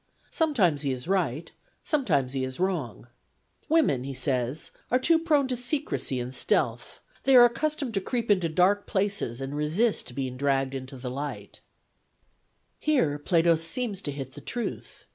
Sometimes he is right, sometimes he is wrong. ' Women,' he says, ' are too prone to secrecy and stealth ; they are accustomed to creep into dark places and resist being dragged into the light.' 182 FEMINISM IN GREEK LITERATURE Here Plato seems to hit the truth.